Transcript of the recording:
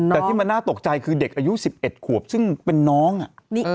แต่ที่มันน่าตกใจคือเด็กอายุ๑๑ขวบซึ่งเป็นน้องอ่ะ